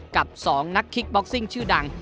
กับ๒นักคิกบ็อกซิ่งชื่อดัง